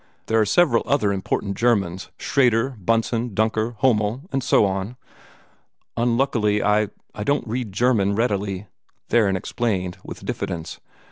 There are several other important Germans Schrader, Bunsen, Duncker, Hommel, and so on." "Unluckily I I don't read German readily," Theron explained with diffidence.